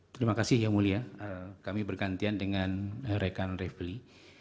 terima kasih yang mulia kami bergantian dengan rekan revely